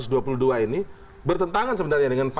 sangat bertentangan sebenarnya dengan pas